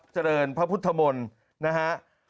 เจริญพระพุทธมนตร์นะฮะ